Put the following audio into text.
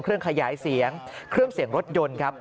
เครื่องขยายเสียงเครื่องเสียงรถยนต์ครับ